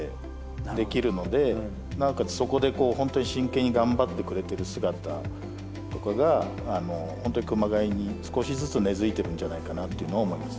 そこで本当に真剣に頑張ってくれてる姿とかが本当に熊谷に少しずつ根づいてるんじゃないかなっていうのは思います。